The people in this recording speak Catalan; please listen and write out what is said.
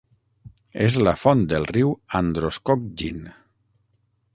És la font del riu Androscoggin.